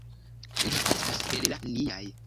Li estas el la niaj.